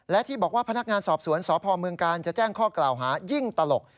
และที่บอกว่าพนักงานสอบสวนสพเมืองกาลจะแจ้งข้อกล่าวหายิ่งตลก